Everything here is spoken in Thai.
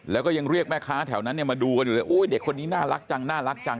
แล้วก็ยังเรียกแม่ค้าแถวนั้นเนี่ยมาดูกันอยู่เลยอุ้ยเด็กคนนี้น่ารักจังน่ารักจัง